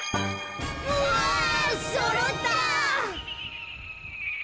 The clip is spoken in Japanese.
うわそろった！